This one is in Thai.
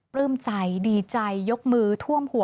ปลื้มใจดีใจยกมือท่วมหัว